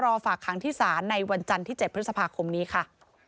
ฝากค้างที่ศาลในวันจันทร์ที่๗พฤษภาคมนี้ค่ะ